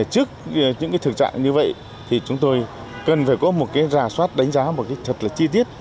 trước những thường trạng như vậy chúng tôi cần phải có một rà soát đánh giá thật là chi tiết